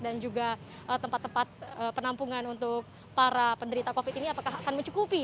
dan juga tempat tempat penampungan untuk para penderita covid ini apakah akan mencukupi